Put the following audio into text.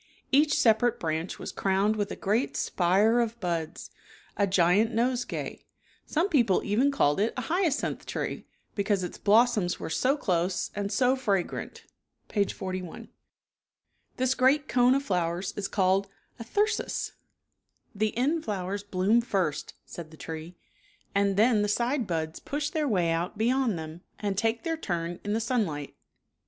Each separate branch was crowned with a great spire of buds, a giant nose gay. Some people even called it a " hyacinth tree " because its blossoms were so close and so fragrant (Page 41). This great cone of flowers is called a thyrsus, " The end flowers bloom first," said the tree, " and then the side buds push their way out beyond them, and take their turn in the sunlight.